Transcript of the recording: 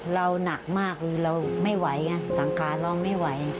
เราหนักมากเลยเราไม่ไหวไงสังขาเราไม่ไหว